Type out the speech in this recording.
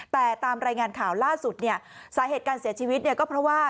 แต่ตามรายงานข่าวล่าสุดสาเหตุการณ์เสียชีวิตก็เพราะว่า